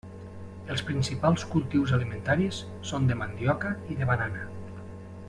Els principals cultius alimentaris són de mandioca i de banana.